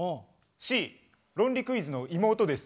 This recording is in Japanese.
Ｃ「論理クイズの妹です。